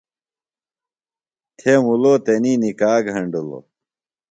تھے مُلو تنی نِکاح گھنڈِلوۡ۔